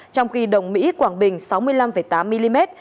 trong khi đồng mỹ quảng bình sáu mươi năm tám mm